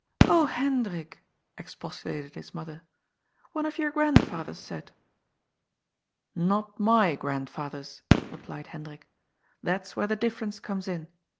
" Oh, Hendrik 1 " expostulated his mother, one of your grandfather's set 1 " "Not my grandfather's," replied Hendrik. That's where the difference comes in.